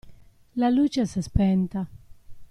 La luce s'è spenta.